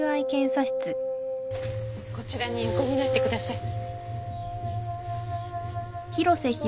こちらに横になってください。